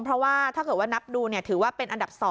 เพราะว่าถ้าเกิดว่านับดูถือว่าเป็นอันดับ๒